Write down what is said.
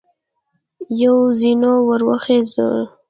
پر زینو وروخیژه !